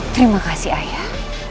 terima kasih ayah